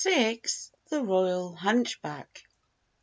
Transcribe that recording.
THE ROYAL HUNCHBACK.